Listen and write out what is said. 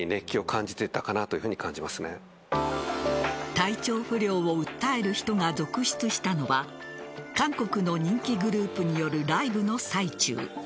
体調不良を訴える人が続出したのは韓国の人気グループによるライブの最中。